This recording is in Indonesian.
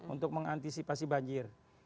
untuk mengantisipasi banjir